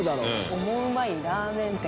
「オモウマいラーメン店」